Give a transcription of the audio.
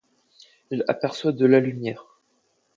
Il y aperçoit de la lumière.